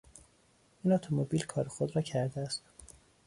این اتومبیل کار خود را کرده است.